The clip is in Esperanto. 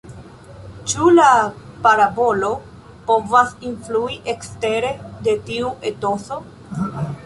Ĉu la parabolo povas influi ekstere de tiu etoso?